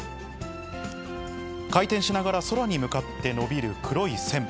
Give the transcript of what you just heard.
回転しながら空に向かって伸びる黒い線。